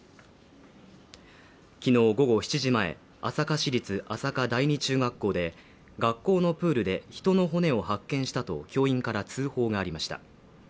きのう午後７時前、朝霞市立朝霞第二中学校で学校のプールで人の骨を発見したと、教員から通報がありました。